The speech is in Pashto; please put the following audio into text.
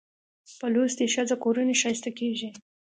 په لوستې ښځه کورنۍ ښايسته کېږي